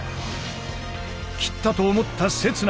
斬ったと思った刹那